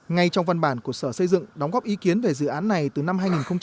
ngay trong văn bản của sở xây dựng đóng góp ý kiến về dự án này từ năm hai nghìn một mươi sáu